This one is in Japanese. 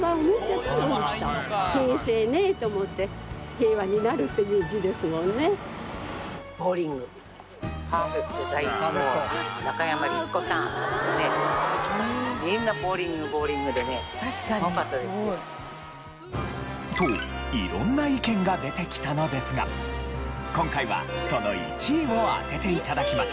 「平和に成る」という字ですもんね。と色んな意見が出てきたのですが今回はその１位を当てて頂きます。